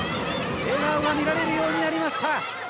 笑顔が見られるようになりました。